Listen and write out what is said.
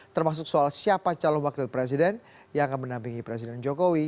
termasuk soal siapa calon wakil presiden yang akan menampingi presiden jokowi